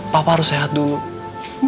papa harus sehat dulu